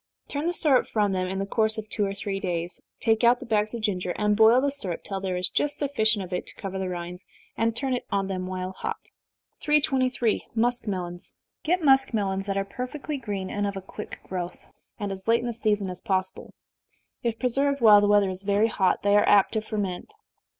Turn the syrup from them in the course of two or three days, take out the bags of ginger, and boil the syrup till there is just sufficient of it to cover the rinds, and turn it on them while hot. 323. Muskmelons. Procure muskmelons that are perfectly green, and of a quick growth, and as late in the season as possible. If preserved while the weather is very hot, they are apt to ferment.